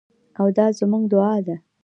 او دا زموږ دعا ده.